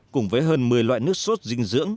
cùng với hơn một mươi loại nước sốt dinh dưỡng